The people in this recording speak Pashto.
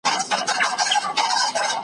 هر نادر سره قادر سته `